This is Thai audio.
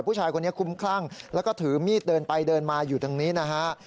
ผู้ชายคนนี้คุ้มคลั่งแล้วก็ถือมีดเดินไปเดินมาอยู่ตรงนี้นะฮะ